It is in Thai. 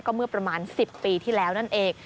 เมื่อประมาณ๑๐ปีที่แล้วนั่นเอง